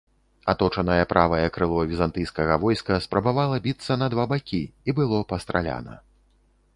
Аточанае правае крыло візантыйскага войска спрабавала біцца на два бакі і было пастраляна.